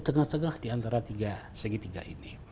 tengah tengah di antara segitiga ini